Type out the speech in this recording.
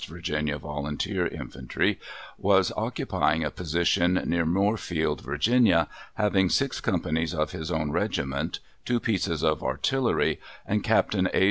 Va. Vol. Infantry, was occupying a position near Moorefield, Va., having six companies of his own regiment, two pieces of artillery, and Capt. A.